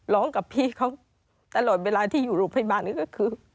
ร้องกับพี่เขาตลอดเวลาที่อยู่โรงพยาบาลนี้ก็คือ